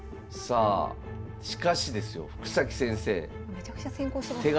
めちゃくちゃ先攻してますね。